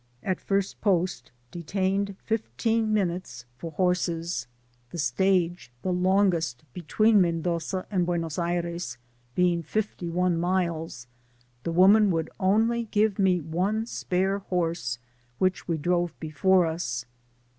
At first post detained fifteen minutes for horses— the stage the longest between Mendoza and Buenos Aires, being fifty one miles — the wo man would only give me one spare horse, which we drove before us.